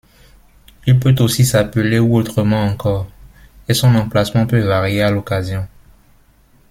Il peut aussi s'appeler ou autrement encore, et son emplacement peut varier à l'occasion.